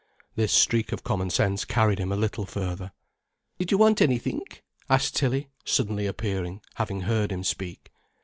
This streak of common sense carried him a little further. "Did you want anythink?" asked Tilly, suddenly appearing, having heard him speak.